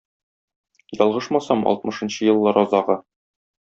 Ялгышмасам, алтмышынчы еллар азагы.